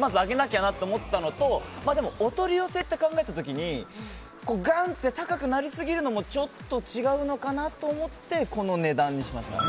まず、上げなきゃなと思ったのとでも、お取り寄せって考えた時にガンって高くなりすぎるのもちょっと違うのかなと思ってこの値段にしました。